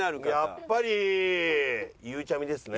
やっぱりゆうちゃみですね。